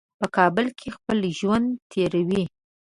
په کابل کې خپل ژوند تېروي.